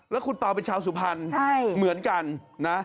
แล้วคุณเปล่าเป็นชาวสุพรรณเหมือนกันนะ